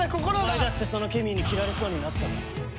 お前だってそのケミーに斬られそうになっただろ。